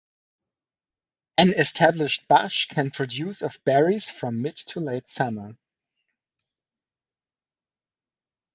An established bush can produce of berries from mid to late summer.